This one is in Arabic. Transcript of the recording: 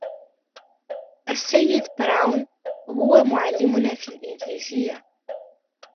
السيد براون هو معلمنا في الإنجليزية.